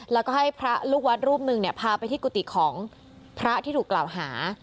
แล้วก็ให้พระลูกวัดรูปหนึ่งเนี่ยพาไปที่กุฏิของพระที่ถูกกล่าวหา